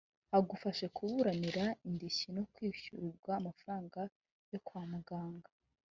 agufashe kuburanira indishyi no kwishyurwa amafaranga yo kwa muganga,